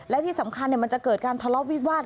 และที่สำคัญมันจะเกิดการทะเลาะวิวาส